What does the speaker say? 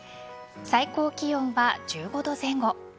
最高気温は１５度前後。